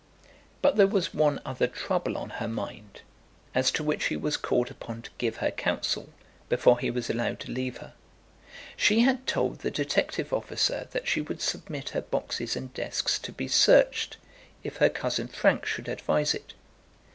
But there was one other trouble on her mind as to which he was called upon to give her counsel before he was allowed to leave her. She had told the detective officer that she would submit her boxes and desks to be searched if her cousin Frank should advise it.